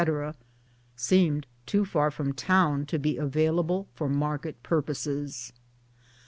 seemed too far from town to be available for market purposes.